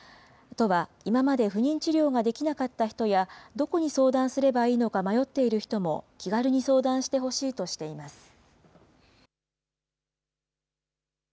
都は今まで不妊治療ができなかった人や、どこに相談すればいいのか迷っている人も気軽に相談してほしいとしています。